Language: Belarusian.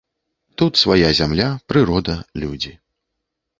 Тут свая зямля, прырода, людзі.